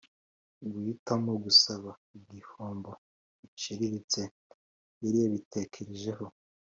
guhitamo gusaba igihembo giciriritse yari yabitekerejeho